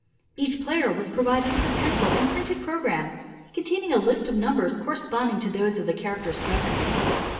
Each player was provided with a pencil and printed program containing a list of numbers corresponding to those of the characters present.